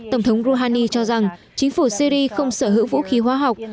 tổng thống rouhani cho rằng chính phủ syri không sở hữu vũ khí hóa học